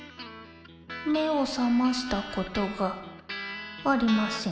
めをさましたことがありません。